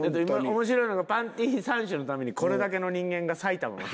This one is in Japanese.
面白いのがパンティ３種のためにこれだけの人間が埼玉まで。